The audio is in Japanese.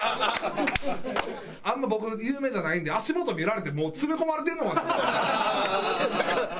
あんま僕有名じゃないんで足元見られて詰め込まれてんのかな。